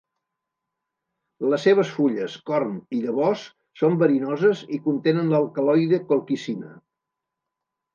Les seves fulles, corm i llavors són verinoses i contenen l'alcaloide colquicina.